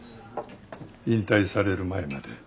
引退される前まで。